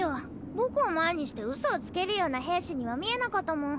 僕を前にしてうそをつけるような兵士には見えなかったもん。